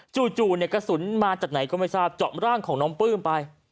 จู่กระสุนมาจากไหนก็ไม่ทราบเจาะร่างของน้องปลื้มไป